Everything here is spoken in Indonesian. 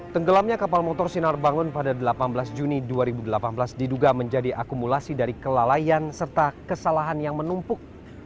tenggelamnya kapal motor sinar bangun pada delapan belas juni dua ribu delapan belas diduga menjadi akumulasi dari kelalaian serta kesalahan yang menumpuk